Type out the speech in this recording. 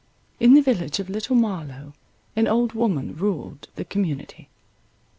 In the village of Little Marlow an old woman ruled the community.